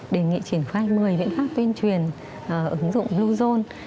đề nghị triển khai một mươi biện pháp tuyên truyền ứng dụng bluezone